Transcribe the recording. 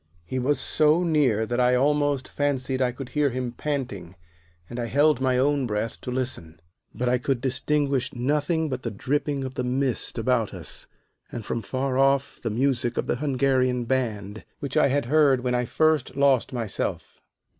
He was so near that I almost fancied I could hear him panting, and I held my own breath to listen. But I could distinguish nothing but the dripping of the mist about us, and from far off the music of the Hungarian band, which I had heard when I first lost myself.